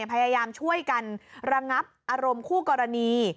พยายามช่วยกันระงับอารมณ์คู่กรณี